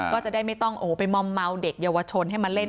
ก็จะได้ไม่ต้องไปมอมเมาเด็กเยาวชนให้มาเล่น